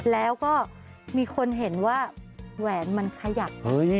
แล้วก็มีคนเห็นว่าแหวนมันขยับ